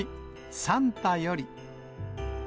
サンタより。